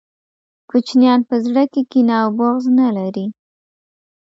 کوچنیان په زړه کي کینه او بغض نلري